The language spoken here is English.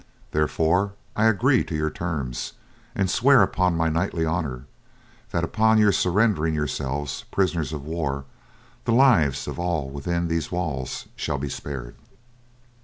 Therefore I agree to your terms, and swear upon my knightly honour that upon your surrendering yourselves prisoners of war, the lives of all within these walls shall be spared."